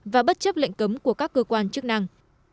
và bất chấp lệnh cấm của các cơ quan chức năng